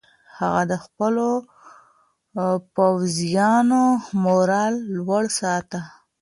هغه د خپلو پوځیانو مورال لوړ ساته.